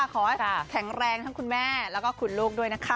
ขอให้แข็งแรงทั้งคุณแม่แล้วก็คุณลูกด้วยนะคะ